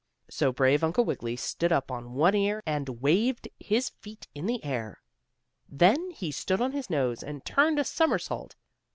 So brave Uncle Wiggily stood up on one ear and waved his feet in the air. Then he stood on his nose and turned a somersault.